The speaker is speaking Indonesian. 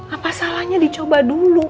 apa salahnya dicoba dulu